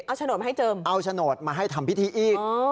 เอาโฉนดมาให้เจิมเอาโฉนดมาให้ทำพิธีอีก